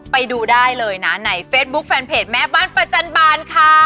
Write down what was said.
ไปดูได้เลยนะในเฟซบุ๊คแฟนเพจแม่บ้านประจันบาลค่ะ